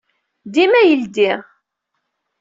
Dima yeldey.